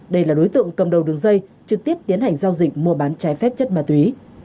đây là đối tượng cầm đầu đường dây trực tiếp tiến hành giao dịch mua bán trái phép chất ma túy